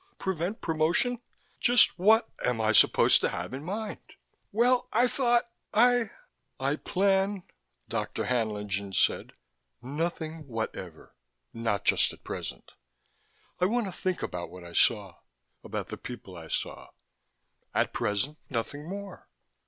Prevent promotion? Just what am I supposed to have in mind?" "Well, I thought I " "I plan," Dr. Haenlingen said, "nothing whatever. Not just at present. I want to think about what I saw, about the people I saw. At present, nothing more."